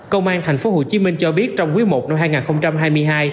công an thành phố hồ chí minh cho biết trong quý i năm hai nghìn hai mươi hai